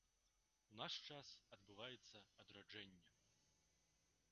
У наш час адбываецца адраджэнне.